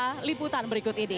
ketik liputan berikut ini